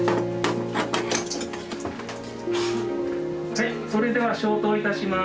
はいそれでは消灯いたします。